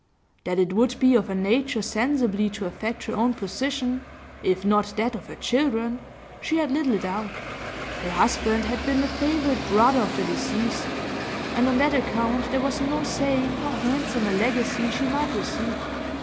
That it would be of a nature sensibly to affect her own position, if not that of her children, she had little doubt; her husband had been the favourite brother of the deceased, and on that account there was no saying how handsome a legacy she might receive.